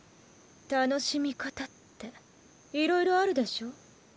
楽しみ方っていろいろあるでしょ。